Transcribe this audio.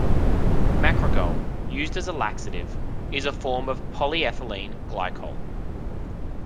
Macrogol, used as a laxative, is a form of polyethylene glycol.